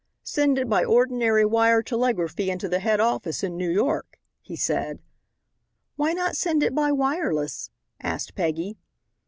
"Send it by ordinary wire telegraphy into the head office in New York," he said. "Why not send it by wireless?" asked Peggy.